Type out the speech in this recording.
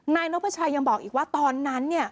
นายนพชัยยังบอกอีกว่าตอนนั้นเนี่ย